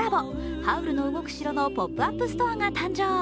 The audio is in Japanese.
「ハウルの動く城」のポップアップストアが誕生。